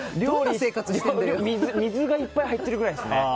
水がいっぱい入ってるくらいですね。